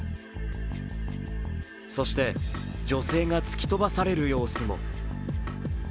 そして女性が突き飛ばされる様子も。